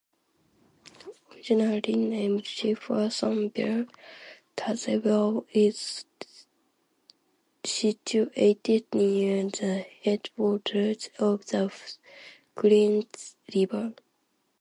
Originally named Jeffersonville, Tazewell is situated near the headwaters of the Clinch River.